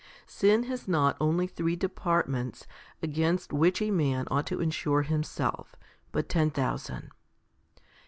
Sin has not only three departments against which a man ought to ensure himself, but ten thousand.